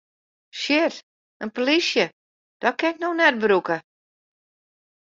Shit, in plysje, dat kin ik no net brûke!